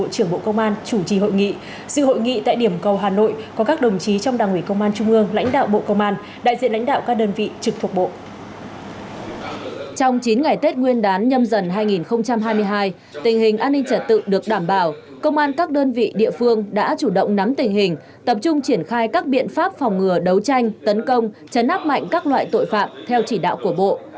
trong tình hình an ninh trật tự được đảm bảo công an các đơn vị địa phương đã chủ động nắm tình hình tập trung triển khai các biện pháp phòng ngừa đấu tranh tấn công chấn áp mạnh các loại tội phạm theo chỉ đạo của bộ